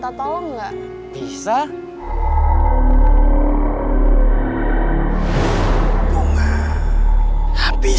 yang kau temui